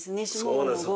そうなんです。